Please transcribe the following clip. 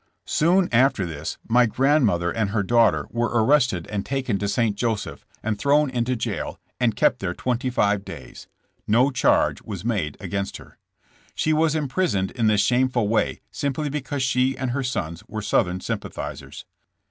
Soon after this my grandmother and her daugh ter were arrested and taken to St. Joseph and thrown into jail, and kept there twenty five days. No charge was made against her. She was imprisoned in this shameful way simply because she and her sons were Southern sympathizers.